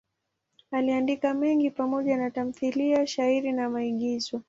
Aliandika mengi pamoja na tamthiliya, shairi na maigizo.